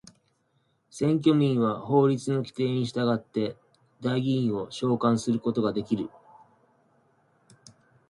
選挙民は法律の規定に従って代議員を召還することができる。